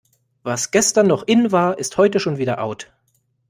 Was gestern noch in war, ist heute schon wieder out.